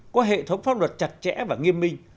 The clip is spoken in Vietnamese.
có hệ thống pháp luật chặt chẽ và nghiêm minh